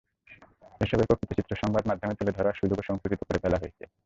এসবের প্রকৃত চিত্র সংবাদমাধ্যমে তুলে ধরার সুযোগও সংকুচিত করে ফেলা হয়েছে।